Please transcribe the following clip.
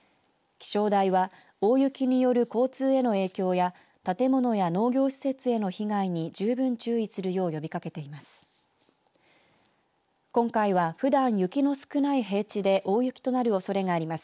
気象台は大雪による交通への影響や建物や農業施設への被害に十分注意するよう呼びかけています。